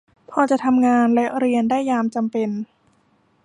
พอจะทำงานและเรียนได้ยามจำเป็น